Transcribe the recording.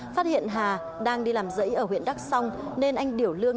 phát hiện hà đang đi làm dẫy ở huyện đắc song nên anh điểu lương